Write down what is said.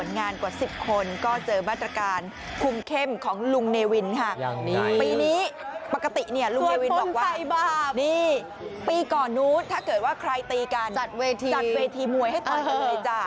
นักธุรกิจสวัสดิ์เก็มของลุงเนวินค่ะปีนี้ปกติเนี่ยลุงเนวินบอกว่าปีก่อนนู้นถ้าเกิดว่าใครตีกันจัดเวทีมวยให้ต่อยกันเลยจ้ะ